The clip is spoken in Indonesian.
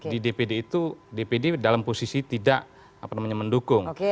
di dpd itu dpd dalam posisi tidak mendukung